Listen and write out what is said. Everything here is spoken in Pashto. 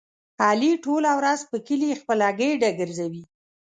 علي ټوله ورځ په کلي خپله ګېډه ګرځوي.